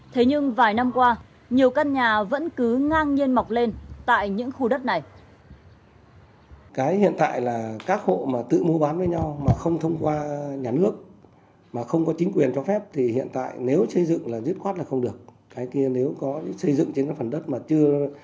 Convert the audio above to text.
thế nhưng vài năm qua nhiều căn nhà vẫn cứ ngang nhiên mọc lên tại những khu đất này